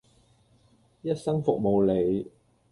一生服務你